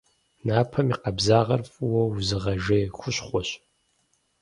Напэм и къабзагъэр фӏыуэ узыгъэжей хущхъуэщ.